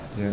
em hô lên